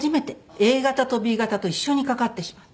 Ａ型とＢ型と一緒にかかってしまって。